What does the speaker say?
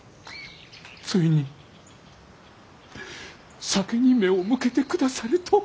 ついに酒に目を向けてくださるとは！